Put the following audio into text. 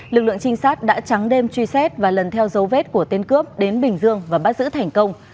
lực lượng trinh sát đã trắng đêm truy xét và lần theo dấu vết của tên cướp đến bình dương và bắt giữ thành công